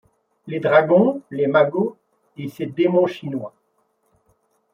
Les dragons, les magots, et ces démons chinois